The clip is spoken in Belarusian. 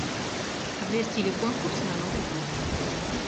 Абвясцілі конкурс на новы гімн.